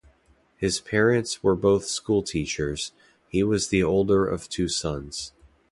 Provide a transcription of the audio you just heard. His parents were both schoolteachers; he was the older of two sons.